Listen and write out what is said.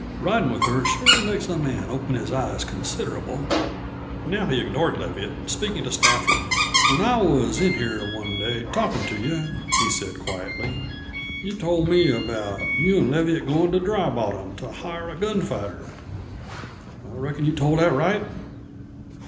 "Ridin' with her sure makes a man open his eyes considerable." Now he ignored Leviatt, speaking to Stafford. "When I was in here one day, talkin' to you," he said quietly, "you told me about you an' Leviatt goin' to Dry Bottom to hire a gunfighter. I reckon you told that right?"